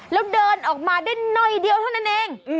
แล้วเดินออกมาได้หน่อยเดียวเท่านั้นเอง